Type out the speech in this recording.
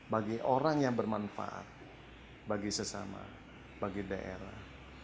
bagi orang yang bermanfaat bagi sesama bagi daerah